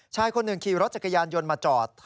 ชายคนหนึ่งขี่รถจักรยานยนต์มาจอด